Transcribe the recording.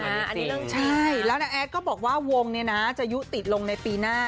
อันนี้เรื่องใช่แล้วน้าแอดก็บอกว่าวงเนี่ยนะจะยุติลงในปีหน้า